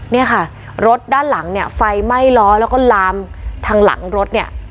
เนี่ยค่ะรถด้านหลังเนี่ยไฟไหม้ล้อแล้วก็ลามทางหลังรถเนี่ย